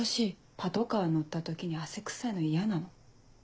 パトカー乗った時に汗臭いの嫌なの。